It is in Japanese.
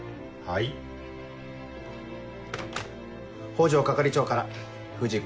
北条係長から藤君